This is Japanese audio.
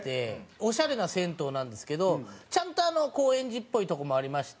オシャレな銭湯なんですけどちゃんと高円寺っぽいとこもありまして。